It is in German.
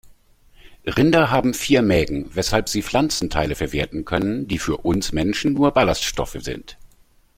Rinder haben vier Mägen, weshalb sie Pflanzenteile verwerten können, die für uns Menschen nur Ballaststoffe sind.